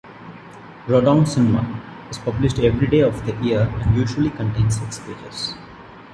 "Rodong Sinmun" is published every day of the year and usually contains six pages.